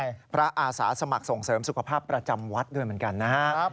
นี่ท่านก็เป็นพระอาศาสมัครส่งเสริมสุขภาพประจำวัดด้วยเหมือนกัน